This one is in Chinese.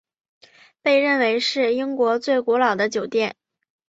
被认为是英国最古老的酒店。